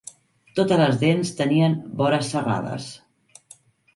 Totes les dents tenien vores serrades.